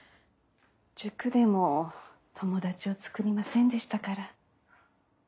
塾でも友達をつくりませんでしたから。